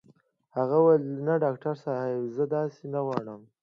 هغې وويل نه ډاکټر صاحب زه داسې نه غواړم.